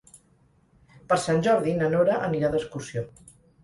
Per Sant Jordi na Nora anirà d'excursió.